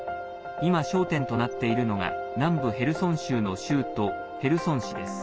今、焦点となっているのが南部ヘルソン州の州都ヘルソン市です。